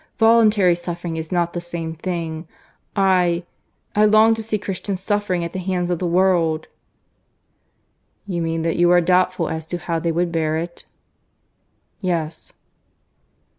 "Voluntary suffering is not the same thing. ... I ... I long to see Christians suffering at the hands of the world." "You mean that you are doubtful as to how they would bear it?" "Yes."